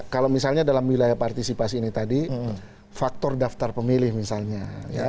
kalau misalnya dalam wilayah partisipasi ini tadi faktor daftar pemilih misalnya